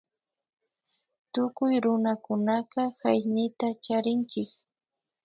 Tukuy runakunaka hayñita charinchik